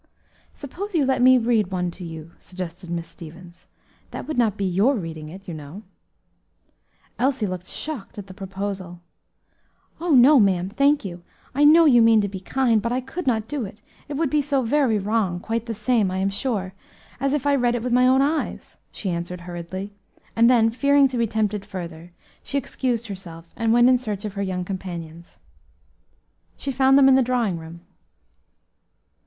"Suppose you let me read one to you," suggested Miss Stevens; "that would not be your reading it, you know." Elsie looked shocked at the proposal. "Oh! no, ma'am, thank you, I know you mean to be kind; but I could not do it; it would be so very wrong; quite the same, I am sure, as if I read it with my own eyes," she answered hurriedly; and then, fearing to be tempted further, she excused herself and went in search of her young companions. She found them in the drawing room.